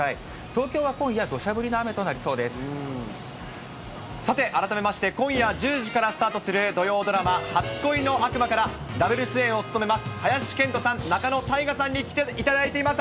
東京は今夜、どしゃ降りの雨となさて、改めまして、今夜１０時からスタートする土曜ドラマ、初恋の悪魔から、ダブル主演を務めます林遣都さん、仲野太賀さんに来ていただいています。